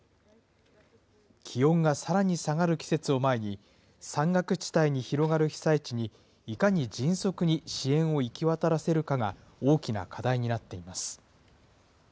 気温がさらに下がる季節を前に、山岳地帯に広がる被災地にいかに迅速に支援を行き渡らせるかが大きな課題になっています。